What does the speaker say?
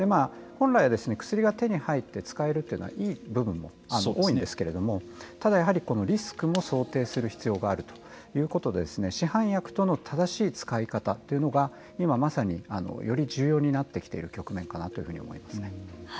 本来は薬が手に入って使えるというのはいい部分も多いんですけれどもただ、やはりリスクも想定する必要があるということで市販薬との正しい使い方というのが今、まさにより重要になってきている局面かなと思います。